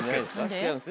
違います？